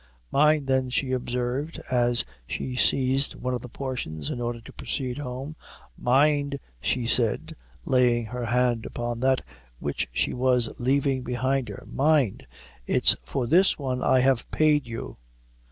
"Mind, then," she observed, as she seized one of the portions, in order to proceed home; "mind," said she, laying her hand upon that which she was leaving behind her; "mind it's for this one I have paid you."